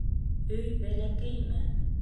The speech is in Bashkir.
Өй бәләкәйме?